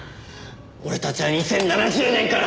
俺たちは２０７０年から！